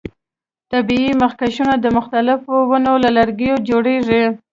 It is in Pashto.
طبیعي مخکشونه د مختلفو ونو له لرګیو جوړیږي.